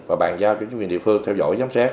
và bàn giao cho chính quyền địa phương theo dõi giám sát